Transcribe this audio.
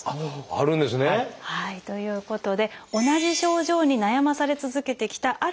あるんですね！ということで同じ症状に悩まされ続けてきたある２人。